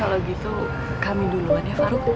kalau begitu kami duluan ya farouk